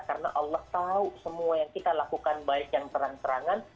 karena allah tahu semua yang kita lakukan baik yang terang terangan